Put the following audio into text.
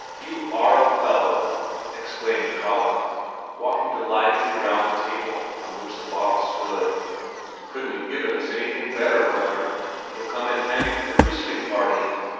"You are a fellow!" exclaimed Kalle, walking delightedly round the table on which the bottle stood. "You couldn't have given us anything better, brother; it'll come in handy for the christening party.